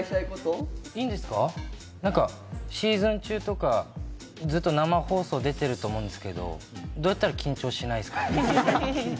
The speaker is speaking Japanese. シーズン中とか、ずっと生放送出てると思うんですけど、どうやったら緊張しないですかね？